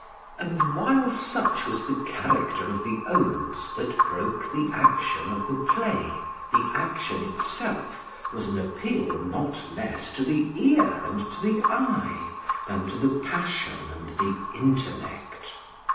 And while such was the character of the odes that broke the action of the play, the action itself was an appeal not less to the ear and to the eye than to the passion and the intellect.